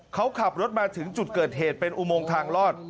เขาขับรถมาถึงจุดเกิดเหตุเป็นอุโมงทางลอด